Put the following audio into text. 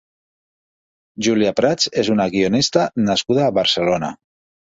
Júlia Prats és una guionista nascuda a Barcelona.